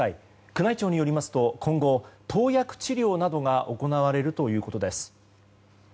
宮内庁によりますと今後、投薬治療などが行われるということです。